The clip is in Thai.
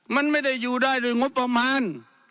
มันไม่ได้อยู่ได้ด้วยงบประมาณ